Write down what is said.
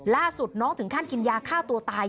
ล่าสุดน้องถึงขั้นกินยาฆ่าตัวตาย